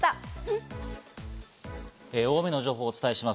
大雨の情報をお伝えします。